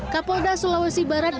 kapolda sulawesi barat